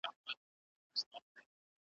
چي له لیري مي ږغ نه وي اورېدلی `